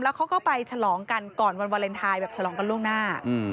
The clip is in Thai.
เขาก็ไปฉลองกันก่อนวันวาเลนไทยแบบฉลองกันล่วงหน้า